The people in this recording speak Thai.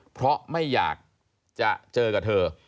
เพราะไม่อยากจะเจอกับเธอ